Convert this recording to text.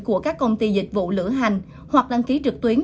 của các công ty dịch vụ lửa hành hoặc đăng ký trực tuyến